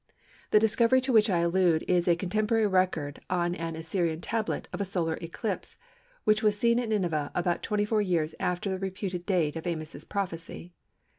The discovery to which I allude is a contemporary record on an Assyrian tablet of a solar eclipse which was seen at Nineveh about 24 years after the reputed date of Amos's prophecy.